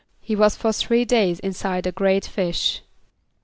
=He was for three days inside a great fish.